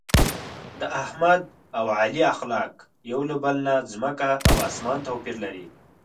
د احمد او علي اخلاق یو له بل نه ځمکه او اسمان توپیر لري.